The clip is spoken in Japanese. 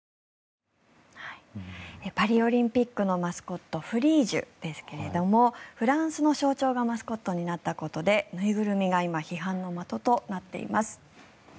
パリオリンピックのマスコット、フリージュですがフランスの象徴がマスコットになったことで縫いぐるみが今、批判の的となっています。